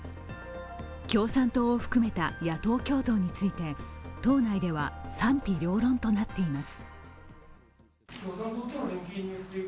共産党を含めた野党共闘について党内では賛否両論なとなっています。